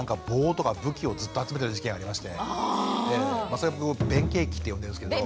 それを僕「弁慶期」って呼んでるんですけど。